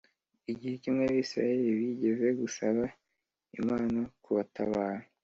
Igihe kimwe Abisirayeli bigeze gusaba Imana kubatabara